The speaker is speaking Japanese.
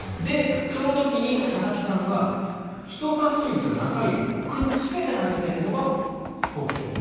その時に佐々木さんは人さし指と中指をくっつけて投げているのが特徴と。